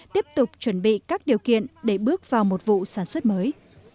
tiếp tục chuẩn bị các điều kiện để bước vào một vụ sản xuất mới